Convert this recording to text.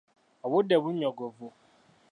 Obudde bunnyogovu.